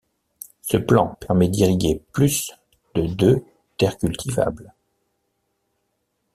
Ce plan permet d'irriguer plus de de terres cultivables.